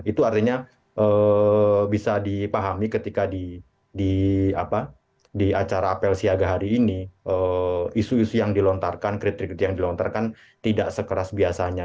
itu artinya bisa dipahami ketika di acara apel siaga hari ini isu isu yang dilontarkan kritik kritik yang dilontarkan tidak sekeras biasanya